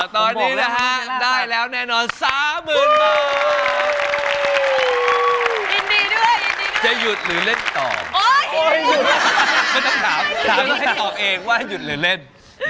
ตอนนี้นะฮะได้แล้วแน่นอน๓๐๐๐๐บาท